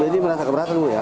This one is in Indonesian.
jadi merasa keberatan dulu ya